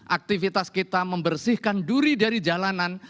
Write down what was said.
aktivitas kita membersihkan duri dari jalanan